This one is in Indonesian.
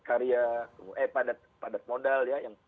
karya eh padat modal ya yang